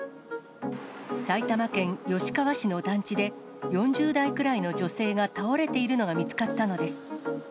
埼玉県吉川市の団地で、４０代くらいの女性が倒れているのが見つかったのです。